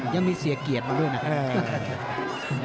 ยังมีเสียเกียรติมาด้วยนะครับ